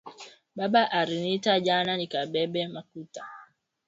Baba ari nita jana nika bebe makuta